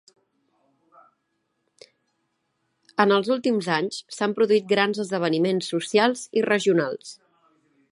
En els últims anys, s'han produït grans esdeveniments socials i regionals.